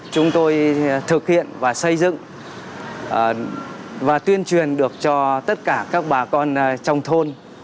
chúng tôi thực hiện và xây dựng và tuyên truyền được cho tất cả các bà con trong thôn